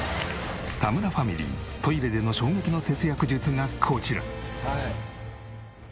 田村ファミリートイレでの衝撃の節約術がこちら。